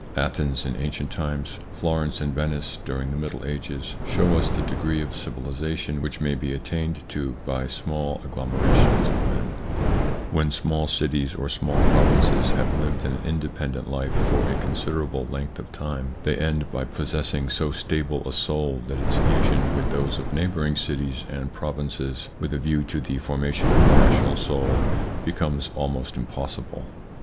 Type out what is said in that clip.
Athens in ancient times, Florence and Venice during the Middle Ages, show us the degree of civilisation which may be attained to by small agglomerations of men. ITS INFLUENCE ON THEIR EVOLUTION 15 When small cities or small provinces have lived an independent life for a considerable length of time, they end by possessing so stable a soul that its fusion with those of neighbouring cities and pro vinces, with a view to the formation of a national soul, becomes almost impossible.